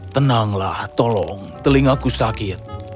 tenanglah tolong telingaku sakit